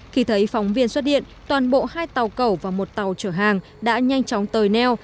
khi thấy phóng viên xuất điện toàn bộ hai tàu cầu và một tàu chở hàng đã nhanh chóng tời neo